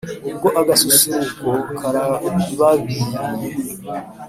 Ubwo agasusuruko karababiriye